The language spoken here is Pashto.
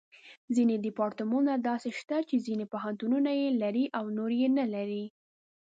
ځینې ډیپارټمنټونه داسې شته چې ځینې پوهنتونونه یې لري او نور یې نه لري.